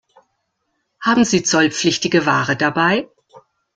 Haben Sie zollpflichtige Ware dabei?